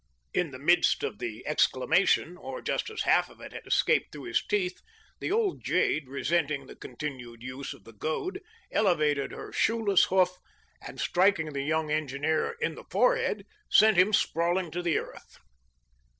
In the midst of the exclamation, or just as half of it had escaped through his teeth, the old jade, resent ing the continued use of the goad, elevated her shoeless hoof and striking the young engineer in the forehead, sent him sprawling to the earth.